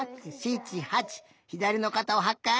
ひだりのかたを８かい！